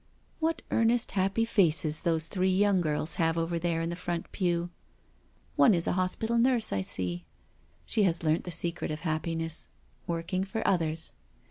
*' What earnest happy faces those three young girls bav^i over tberiE^ in the front pew I One is a hospital igo NO SURRENDER nurs^, I see— she has learnt the secret of happiness — working for others.